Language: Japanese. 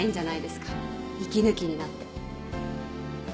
息抜きになって。